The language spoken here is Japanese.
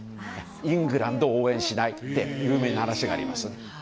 イングランドを応援しないって有名な話があります。